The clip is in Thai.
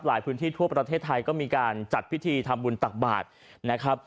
หลายพื้นที่ทั่วประเทศไทยก็มีการจัดพิธีทำบุญตักบาทนะครับ